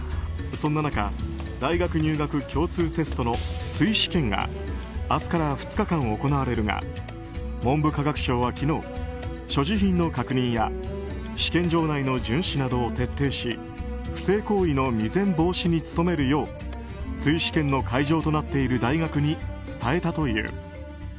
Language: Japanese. そんな中、大学入学共通テストの追試験が明日から２日間行われるが文部科学省は昨日所持品の確認や試験場内の巡視などを徹底し不正行為の未然防止に努めるよう追試験の会場となっている大学に伝えたという。